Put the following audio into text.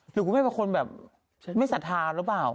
หรือคุณแม่เป็นคนแบบไม่ศรัทธาหรือเปล่า